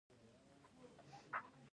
خمیاب ولسوالۍ ولې ریګي ده؟